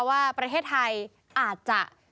ว่าประเทศไทยอาจจะ